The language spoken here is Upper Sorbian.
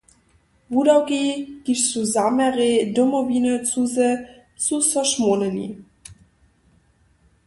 Wudawki, kiž su zaměrej Domowiny cuze, su so šmórnyli.